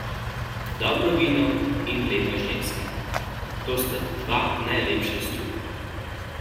Dobro vino in lepa ženska - to sta dva najlepša strupa.